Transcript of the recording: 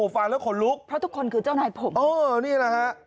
ฟังแล้วขนลุกเพราะทุกคนคือเจ้านายผม